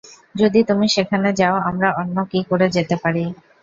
যদি তুমি সেখানে যাও, আমরা অন্য কি করে যেতে পারি?